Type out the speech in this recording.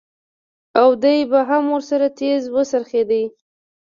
او دى به هم ورسره تېز وڅرخېد.